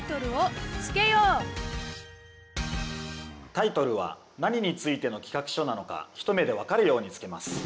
タイトルは何についての企画書なのか一目でわかるようにつけます。